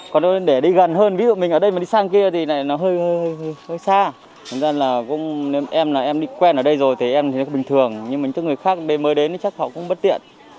còn để đi gần hơn ví dụ mình ở đây mà đi sang kia thì lại nó hơi hơi hơi xa nói ra là cũng em là em đi quen ở đây rồi thì em thì nó bình thường nhưng mà những người khác mới đến thì chắc họ cũng bất tiện